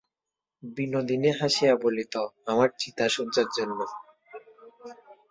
বিনোদিনী হাসিয়া বলিত, আমার চিতাশয্যার জন্য।